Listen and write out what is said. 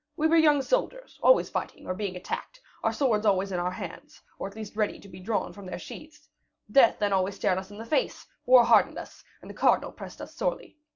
We were young soldiers, always fighting, or being attacked, our swords always in our hands, or at least ready to be drawn from their sheaths. Death then always stared us in the face, war hardened us, and the cardinal pressed us sorely.